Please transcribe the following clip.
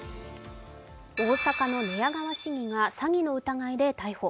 大阪の寝屋川市議が詐欺の疑いで逮捕。